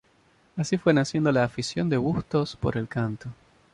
Así fue naciendo la afición de Bustos por el canto.